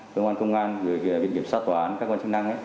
cơ quan công an biện kiểm soát tòa án các cơ quan chức năng